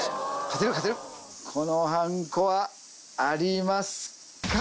このはんこはありますか？